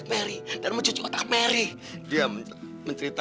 kerana aku masih terus berharap